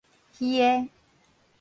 虛的